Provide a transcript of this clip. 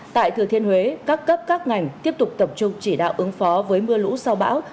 tại thừa thiên huế các cấp các ngành tiếp tục tập trung chỉ đạo ứng phó với mưa lũ sau bão